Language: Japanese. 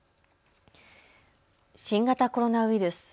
新型コロナウイルス。